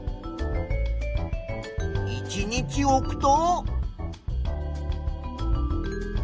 １日おくと。